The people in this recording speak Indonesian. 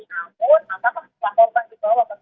namun apakah korban juga akan ditambah rumah sakit